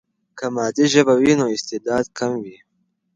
که مادي ژبه وي، نو استعداد کم وي.